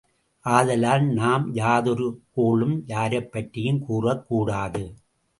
ஆதலால் நாம் யாதொரு கோளும் யாரைப் பற்றியும் கூறக் கூடாது.